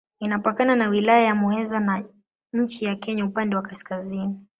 Inapakana na Wilaya ya Muheza na nchi ya Kenya upande wa kaskazini.